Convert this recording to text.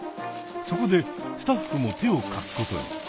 そこでスタッフも手を貸すことに。